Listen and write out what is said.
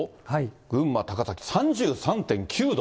群馬・高崎３３．９度。